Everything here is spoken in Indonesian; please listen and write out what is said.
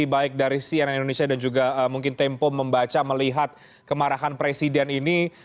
baik dari cnn indonesia dan juga mungkin tempo membaca melihat kemarahan presiden ini